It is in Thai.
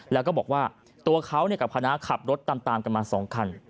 แล้วก็บอกว่าตัวเขากับคณะขับรถตามกันมา๒คัน